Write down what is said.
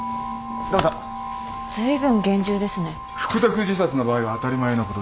服毒自殺の場合は当たり前のことです。